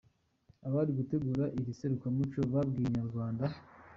Abari gutegura iri serukiramuco babwiye Inyarwanda.